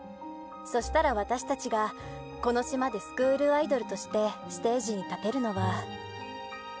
「そしたら私たちがこの島でスクールアイドルとしてステージに立てるのは」。